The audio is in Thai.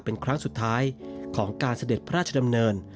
เป็นครั้งสุดท้ายของการเสด็จพระราชดำเนิน